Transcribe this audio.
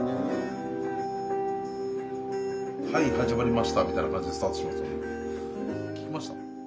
はい始まりましたみたいな感じでスタートするんですよね。